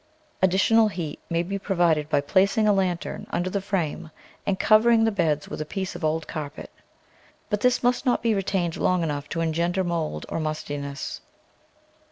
Additional heat may be pro vided by placing a lantern under the frame and covering the beds with a piece of old carpet, but this must not be retained long enough to engender mould or mustiness.